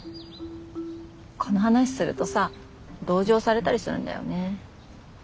この話するとさ同情されたりするんだよね。